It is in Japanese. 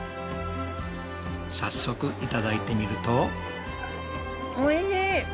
早速いただいてみるとおいしい！